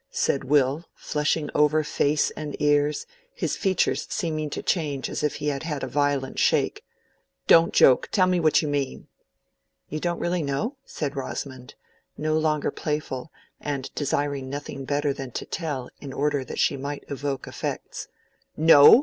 said Will, flushing over face and ears, his features seeming to change as if he had had a violent shake. "Don't joke; tell me what you mean." "You don't really know?" said Rosamond, no longer playful, and desiring nothing better than to tell in order that she might evoke effects. "No!"